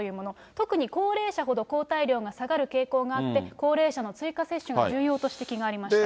特に高齢者ほど抗体量が下がる傾向があって、高齢者の追加接種が重要と指摘がありました。